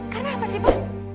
karena apa sih pa